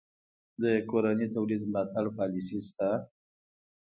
د کورني تولید ملاتړ پالیسي شته؟